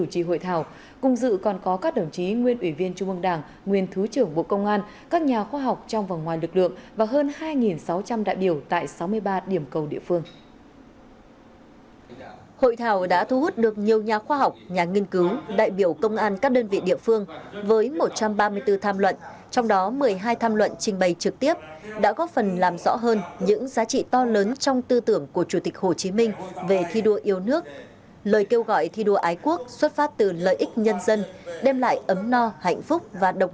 hội thảo đã thu hút được nhiều nhà khoa học nhà nghiên cứu đại biểu công an các đơn vị địa phương với một trăm ba mươi bốn tham luận trong đó một mươi hai tham luận trình bày trực tiếp đã góp phần làm rõ hơn những nguyên liệu của các đơn vị địa phương